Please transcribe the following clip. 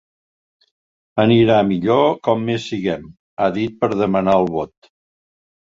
Anirà millor com més siguem, ha dit per demanar el vot.